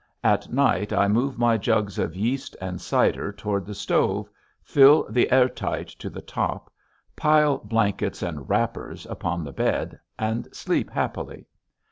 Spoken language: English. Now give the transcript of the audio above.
At night I move my jugs of yeast and cider toward the stove, fill the "air tight" to the top, pile blankets and wrappers upon the bed, and sleep happily.